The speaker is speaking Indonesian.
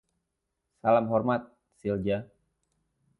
Salam hormat, Silja.